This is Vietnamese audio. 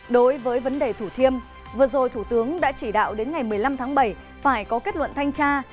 đối với vấn đề thủ thiêm vừa rồi thủ tướng đã chỉ đạo đến ngày một mươi năm tháng bảy phải có kết luận thanh tra